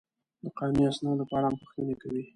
د قانوني اسنادو په اړه هم پوښتنې کوي.